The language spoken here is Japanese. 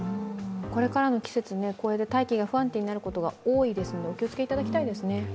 これからの季節、大気が不安定になることが多いですのでお気をつけいただきたいですね。